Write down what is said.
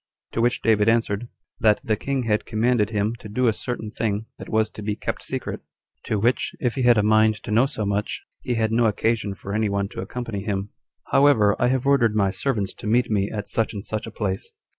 To which David answered, That the king had commanded him to do a certain thing that was to be kept secret, to which, if he had a mind to know so much, he had no occasion for any one to accompany him; "however, I have ordered my servants to meet me at such and such a place."